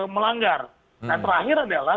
melanggar nah terakhir adalah